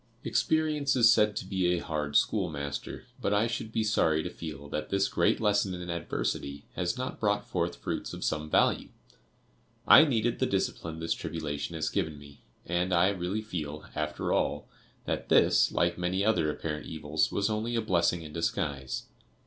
"Experience is said to be a hard schoolmaster, but I should be sorry to feel that this great lesson in adversity has not brought forth fruits of some value. I needed the discipline this tribulation has given me, and I really feel, after all, that this, like many other apparent evils, was only a blessing in disguise.